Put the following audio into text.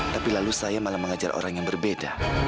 tapi lalu saya malah mengajar orang yang berbeda